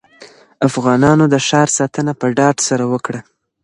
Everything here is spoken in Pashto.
افغانانو د ښار ساتنه په ډاډ سره وکړه.